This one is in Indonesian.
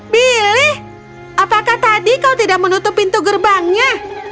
billy apakah tadi kau tidak menutup pintu gerbangnya